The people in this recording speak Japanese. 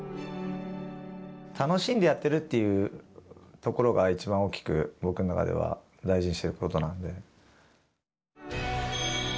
楽しんでやってるっていうところが一番大きく僕の中では大事にしてることなんで。